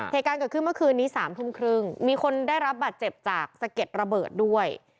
เหตุการณ์เกิดขึ้นเมื่อคืนนี้๓ทุ่มครึ่งมีคนได้รับบาดเจ็บจากสะเก็ดระเบิดด้วย